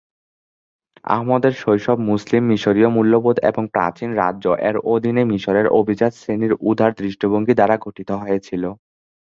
আহমদের শৈশব মুসলিম মিশরীয় মূল্যবোধ এবং "প্রাচীন রাজ্য" এর অধীনে মিশরের অভিজাত শ্রেণীর উদার দৃষ্টিভঙ্গি দ্বারা গঠিত হয়েছিল।